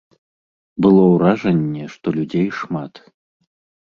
Было ўражанне, што людзей шмат.